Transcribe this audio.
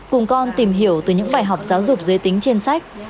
cùng con tìm hiểu từ những bài học giáo dục giới tính trên sách